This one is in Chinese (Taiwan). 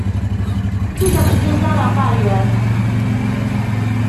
記得明天交兩百元